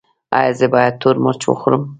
ایا زه باید تور مرچ وخورم؟